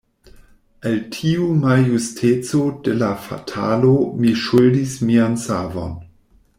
Al tiu maljusteco de la fatalo mi ŝuldis mian savon.